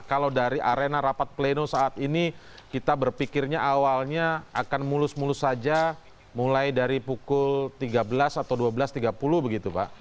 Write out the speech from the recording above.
kalau dari arena rapat pleno saat ini kita berpikirnya awalnya akan mulus mulus saja mulai dari pukul tiga belas atau dua belas tiga puluh begitu pak